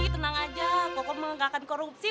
tenang aja kok menggagakan korupsi